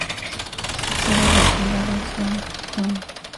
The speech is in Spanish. Su sede del condado es Yankton.